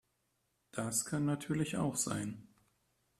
Das kann natürlich auch sein.